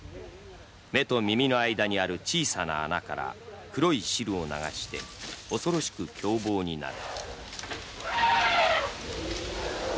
目と耳の間にある小さな穴から黒い汁を流して恐ろしく凶暴になる。